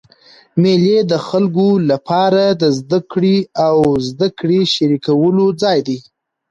مېلې د خلکو له پاره د زدهکړي او زدهکړي شریکولو ځای دئ.